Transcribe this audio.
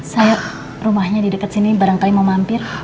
saya rumahnya di dekat sini barangkali mau mampir